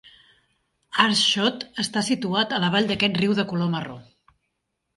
Aarschot està situat a la vall d'aquest riu de color marró.